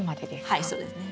はいそうですね。